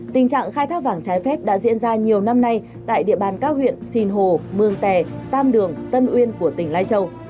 tình trạng khai thác vàng trái phép đã diễn ra nhiều năm nay tại địa bàn các huyện sinh hồ mường tè tam đường tân uyên của tỉnh lai châu